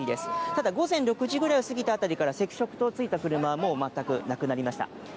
ただ、午前６時ぐらいを過ぎたあたりから、赤色灯が付いた車はもう全くなくなりました。